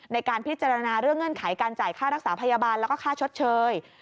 ในการพิจารณาเรื่องเงื่อนไขการจ่ายค่ารักษาพยาบาลแล้วก็ค่าชดเชย